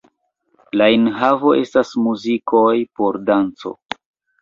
La enhavo estas muzikoj por danco.